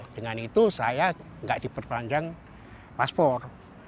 dengan itu saya tidak diperpanjang paspor